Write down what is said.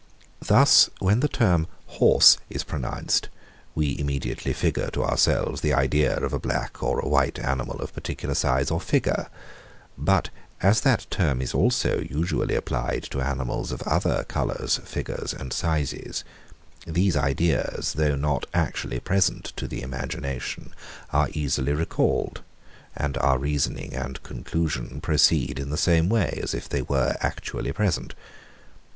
Thus when the term Horse is pronounced, we immediately figure to ourselves the idea of a black or a white animal, of a particular size or figure: But as that term is also usually applied to animals of other colours, figures and sizes, these ideas, though not actually present to the imagination, are easily recalled; and our reasoning and conclusion proceed in the same way, as if they were actually present.